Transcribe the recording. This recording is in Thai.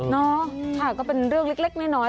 เนาะค่ะก็เป็นเรื่องเล็กน้อย